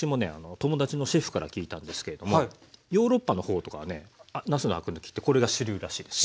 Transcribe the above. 友達のシェフから聞いたんですけれどもヨーロッパの方とかはねなすのアク抜きってこれが主流らしいですよ。